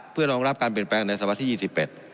เพื่อรองรับการเปลี่ยนแปลงในศวรรษที่๒๑